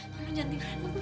tolong jangan tinggalin aku